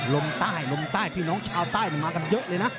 ลมใต้ลมใต้พี่น้องชาวใต้มากันเยอะเลยนะ